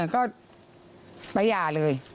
ก็ประหย่าเลย